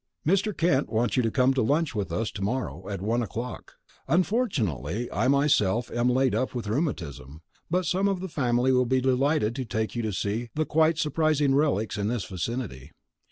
Mrs. Kent wants you to come to lunch with us to morrow, at one o'clock. Unfortunately I myself am laid up with rheumatism, but some of the family will be delighted to take you to see the quite surprising relics in this vicinity.